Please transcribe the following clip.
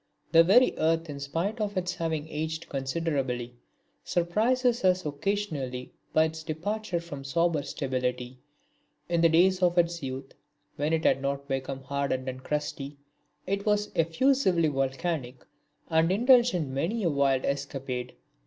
The very earth in spite of its having aged considerably surprises us occasionally by its departure from sober stability; in the days of its youth, when it had not become hardened and crusty, it was effusively volcanic and indulged in many a wild escapade.